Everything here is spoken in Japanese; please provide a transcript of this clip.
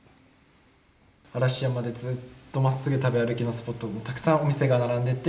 嵐山でずっとまっすぐ食べ歩きのスポットたくさんお店が並んでて。